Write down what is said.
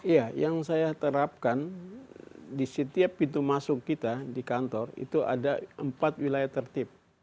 ya yang saya terapkan di setiap pintu masuk kita di kantor itu ada empat wilayah tertib